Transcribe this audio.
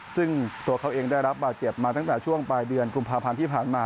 ซึ่งตัวเขาเองได้รับบาดเจ็บมาตั้งแต่ช่วงปลายเดือนกุมภาพันธ์ที่ผ่านมา